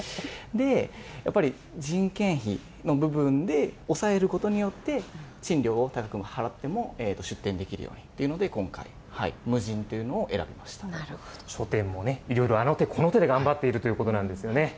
やっぱり人件費の部分で抑えることによって、賃料を高く払っても出店できるようにということで、書店もね、いろいろあの手この手で頑張っているということなんですよね。